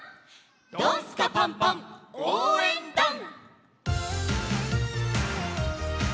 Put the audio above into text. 「ドンスカパンパンおうえんだん」。